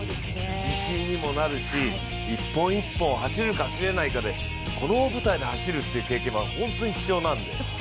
自信にもなるし、１本１本走れるか、走れないかでこの大舞台で走るっていう経験は本当に貴重なので。